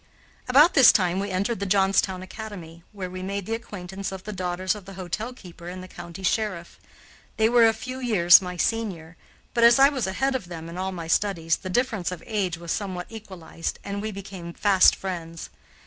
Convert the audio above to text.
About this time we entered the Johnstown Academy, where we made the acquaintance of the daughters of the hotel keeper and the county sheriff. They were a few years my senior, but, as I was ahead of them in all my studies, the difference of age was somewhat equalized and we became fast friends.